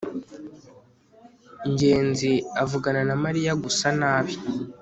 ngenzi avugana na mariya gusa nabi